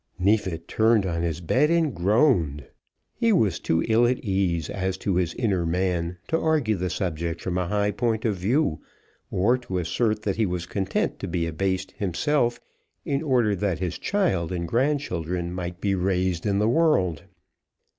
Neefit turned on his bed and groaned. He was too ill at ease as to his inner man to argue the subject from a high point of view, or to assert that he was content to be abased himself in order that his child and grandchildren might be raised in the world.